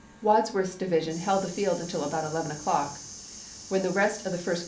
Wadsworth's division held the field until about eleven o'clock, when the rest of the First Corps GENERAL JOHN F.